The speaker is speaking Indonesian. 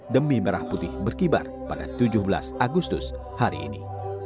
demi merah putih berkibar pada tujuh belas agustus hari ini